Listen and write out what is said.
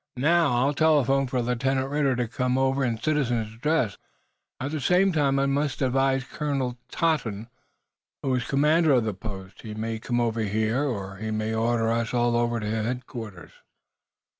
"Now, I'll telephone for Lieutenant Ridder to come over in citizen's dress," announced the major. "At the same time, I must advise Colonel Totten, who is commander of the post. He may come over here, or he may order us all over to headquarters."